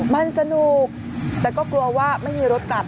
มันสนุกแต่ก็กลัวว่าไม่มีรถกลับ